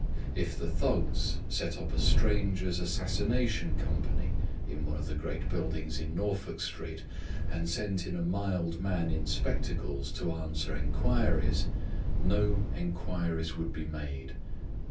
If the Thugs set up a Strangers' Assassination Company in one of the great buildings in Norfolk Street, and sent in a mild man in spectacles to answer inquiries, no inquiries would be made.